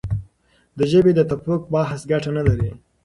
د ژبې د تفوق بحث ګټه نه لري.